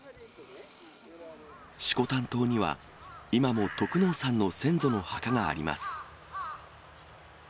色丹島には、今も得能さんの先祖の墓があります。